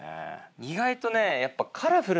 意外とねやっぱ。